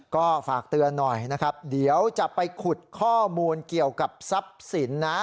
ก็ฝากเตือนหน่อยนะครับเดี๋ยวจะไปขุดข้อมูลเกี่ยวกับทรัพย์สินนะ